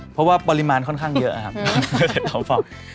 เพราะว่าปริมาณค่อนข้างเยอะครับ